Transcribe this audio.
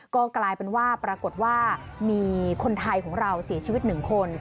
ก็กลายเป็นว่าปรากฏว่ามีคนไทยของเราเสียชีวิตหนึ่งคน